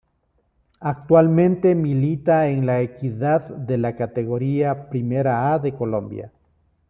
Actualmente milita en La Equidad de la Categoría Primera A de Colombia.